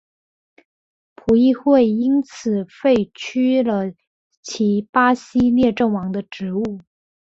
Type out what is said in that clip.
葡议会因此废黜了其巴西摄政王的职务。